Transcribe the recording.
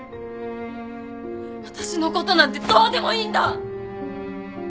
私のことなんてどうでもいいんだ！